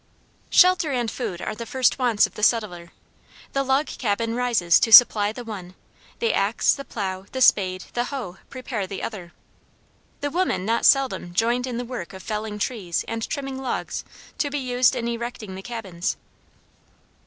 Shelter and food are the first wants of the settler; the log cabin rises to supply the one; the axe, the plough, the spade, the hoe, prepare the other. The women not seldom joined in the work of felling trees and trimming logs to be used in erecting the cabins.